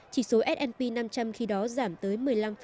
chỉ số s p năm trăm linh khi đó giảm tới một mươi năm